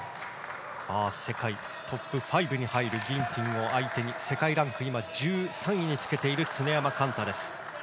世界トップ５に入るギンティンを相手に世界ランク１３位につけている常山幹太。